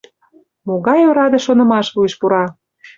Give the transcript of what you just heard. Могай ораде шонымаш вуйыш пура».